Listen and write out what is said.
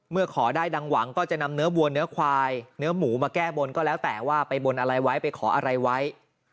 ขอได้ดังหวังก็จะนำเนื้อวัวเนื้อควายเนื้อหมูมาแก้บนก็แล้วแต่ว่าไปบนอะไรไว้ไปขออะไรไว้